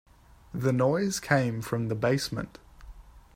The noise came from the basement.